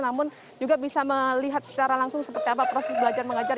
namun juga bisa melihat secara langsung seperti apa proses belajar mengajar